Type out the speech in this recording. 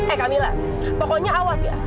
eh kamila pokoknya awas ya